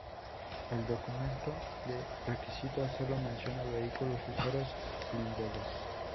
El documento de requisitos solo menciona "vehículos ligeros blindados".